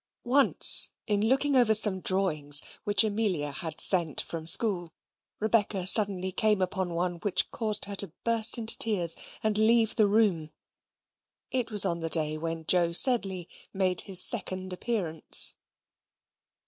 Once, in looking over some drawings which Amelia had sent from school, Rebecca suddenly came upon one which caused her to burst into tears and leave the room. It was on the day when Joe Sedley made his second appearance.